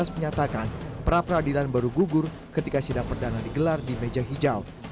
menyatakan pra peradilan baru gugur ketika sidang perdana digelar di meja hijau